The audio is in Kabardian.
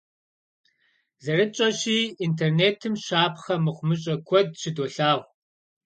ЗэрытщӀэщи, интернетым щапхъэ мыхъумыщӏэ куэд щыдолъагъу.